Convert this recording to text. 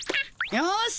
よし！